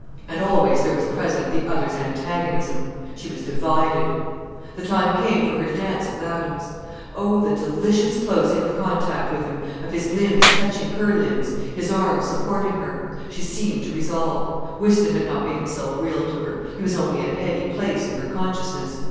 And always there was present the other's antagonism. She was divided. The time came for her to dance with Adams. Oh, the delicious closing of contact with him, of his limbs touching her limbs, his arm supporting her. She seemed to resolve. Whiston had not made himself real to her. He was only a heavy place in her consciousness.